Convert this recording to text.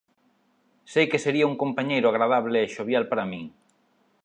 Sei que sería un compañeiro agradable e xovial para min.